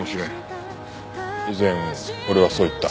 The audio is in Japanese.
以前俺はそう言った。